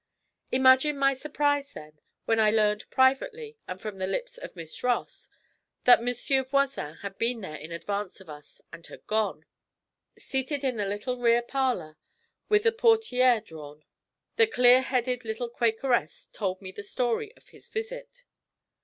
Imagine my surprise, then, when I learned privately, and from the lips of Miss Ross, that Monsieur Voisin had been there in advance of us and had gone. Seated in the little rear parlour, with the portières drawn, the clear headed little Quakeress told me the story of his visit.